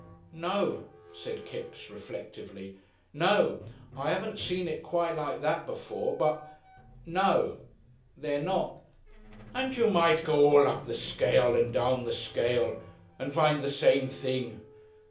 "No," said Kipps, reflectively. "No. I 'aven't seen it quite like that before, but . No. They're not." "And you might go all up the scale and down the scale and find the same thing.